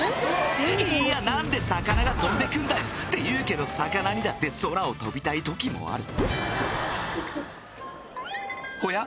いーや何で魚が飛んでくんだよていうけど魚にだって空を飛びたい時もあるおや？